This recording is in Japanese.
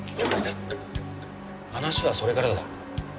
話はそれからだ。